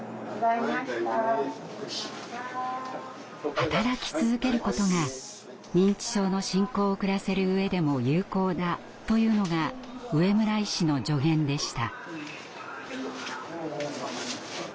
働き続けることが認知症の進行を遅らせる上でも有効だというのが植村医師の助言でした。